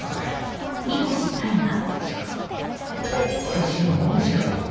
じゃあもう買収をのむしか。